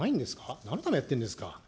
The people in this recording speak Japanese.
なんのためにやってるんですか。